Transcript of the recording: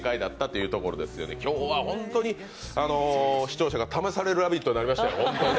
今日はホントに視聴者が試される「ラヴィット！」となりましたよ。